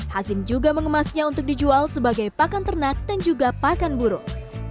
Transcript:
hazim juga mengemasnya untuk dijual sebagai pakan ternak dan juga pakan burung